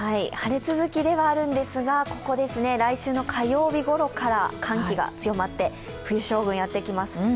晴れ続きではあるんですが、来週の火曜日ごろから寒気が強まって冬将軍、やってきます。